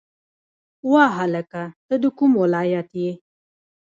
وا هلکه ته د کوم ولایت یی